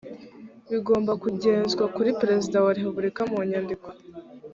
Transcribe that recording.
bigomba kugezwa kuri perezida wa repubulika mu nyandiko